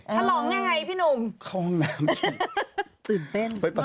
ฉลองอย่างไรพี่หนุ่ม